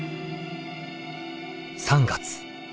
３月。